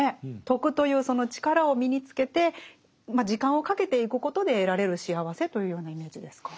徳というその力を身につけて時間をかけていくことで得られる幸せというようなイメージですか？